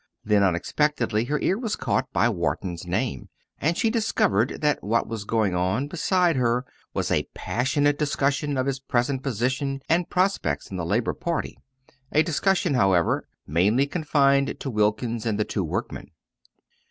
Then, unexpectedly, her ear was caught by Wharton's name, and she discovered that what was going on beside her was a passionate discussion of his present position and prospects in the Labour party a discussion, however, mainly confined to Wilkins and the two workmen.